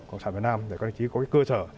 cộng sản việt nam để có cái cơ sở